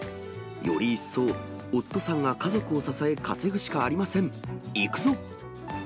より一層、オットさんが家族を支え稼ぐしかありません。